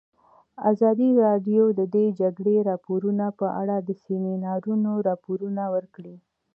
ازادي راډیو د د جګړې راپورونه په اړه د سیمینارونو راپورونه ورکړي.